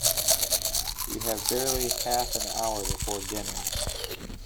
You have barely half an hour before dinner.